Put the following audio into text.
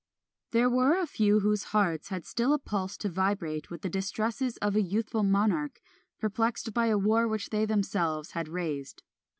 There were a few whose hearts had still a pulse to vibrate with the distresses of a youthful monarch, perplexed by a war which they themselves had raised.